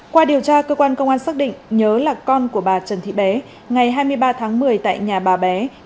qua điều tra cơ quan công an xác định nhớ là con của bà trần thị bé ngày hai mươi ba tháng một mươi tại nhà bà bé